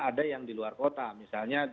ada yang di luar kota misalnya